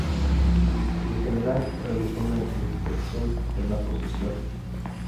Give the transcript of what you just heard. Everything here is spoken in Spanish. El general realizó una inspección de la posición.